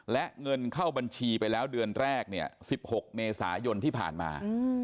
และเงินเข้าบัญชีไปแล้วเดือนแรกเนี่ย๑๖เมษายนที่ผ่านมา